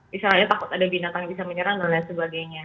misalnya takut ada binatang bisa menyerang dan lain sebagainya